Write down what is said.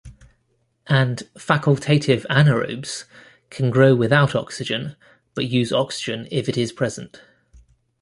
And facultative anaerobes can grow without oxygen but use oxygen if it is present.